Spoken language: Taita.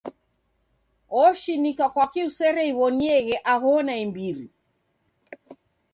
Oshinika kwaki usereiw'onieghe aho naimbiri.